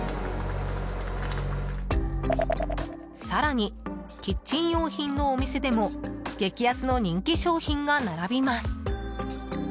更に、キッチン用品のお店でも激安の人気商品が並びます。